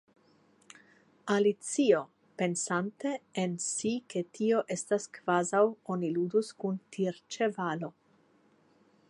Alicio, pensante en si ke tio estas kvazaŭ oni ludus kun tirĉevalo.